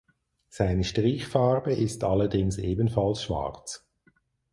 Seine Strichfarbe ist allerdings ebenfalls schwarz.